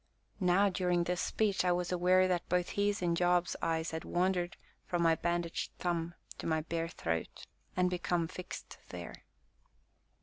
Now, during this speech, I was aware that both his and Job's eyes had wandered from my bandaged thumb to my bare throat, and become fixed there.